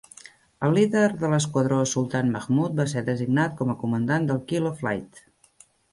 El líder de l'esquadró Sultan Mahmud va ser designat com a comandant del "Kilo Flight".